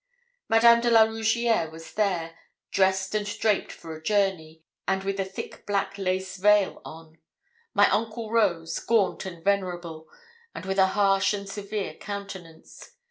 Madame de la Rougierre sat there, dressed and draped for a journey, and with a thick black lace veil on. My uncle rose, gaunt and venerable, and with a harsh and severe countenance.